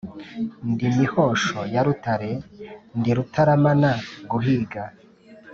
Ndi Mihosho ya Rutare, ndi rutaramana guhiga,